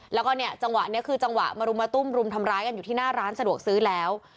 แล้วก็เนี่ยจังหวะนี้คือจังหวะมารุมมาตุ้มรุมทำร้ายกันอยู่ที่หน้าร้านสะดวกซื้อแล้ว